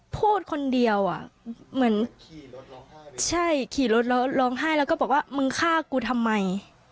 พูดคนเดียวอ่ะเหมือนใช่ขี่รถแล้วร้องไห้แล้วก็บอกว่ามึงฆ่ากูทำไม